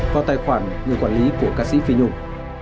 vào tài khoản người quản lý của ca sĩ phi nhung